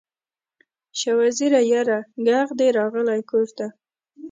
شاه وزیره یاره، ږغ دې راغلی کور ته